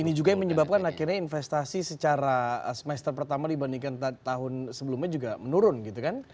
ini juga yang menyebabkan akhirnya investasi secara semester pertama dibandingkan tahun sebelumnya juga menurun gitu kan